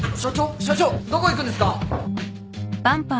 社長どこ行くんですか！？